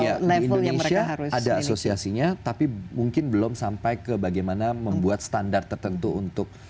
iya di indonesia ada asosiasinya tapi mungkin belum sampai ke bagaimana membuat standar tertentu untuk